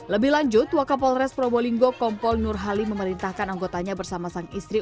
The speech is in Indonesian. lebih lanjut wakapolres probolinggo kompol nurhali memerintahkan anggotanya bersama sang istri